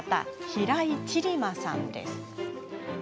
平井千里馬さんです。